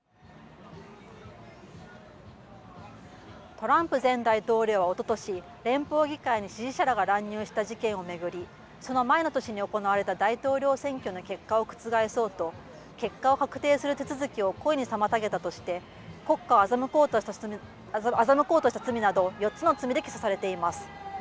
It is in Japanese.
トランプ前大統領はおととし、連邦議会に支持者らが乱入した事件を巡り、その前の年に行われた大統領選挙の結果を覆そうと、結果を確定する手続きを故意に妨げたとして、国家を欺こうとした罪など４つの罪で起訴されています。